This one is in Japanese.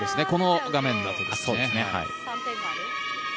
この画面だと。